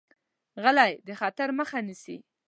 غلی، د خطر مخه نیسي.